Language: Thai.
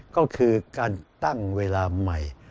ก็คือการตั้งเวลาใหม่